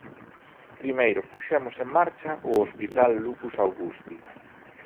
Primeiro puxemos en marcha o Hospital Lucus Augusti.